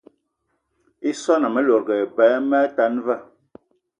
I swan ame lòdgì eba eme atan va